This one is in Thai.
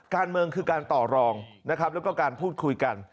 การเมิงคือการต่อรองแล้วก็การพูดคุยกัน